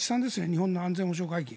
日本の安全保障会議。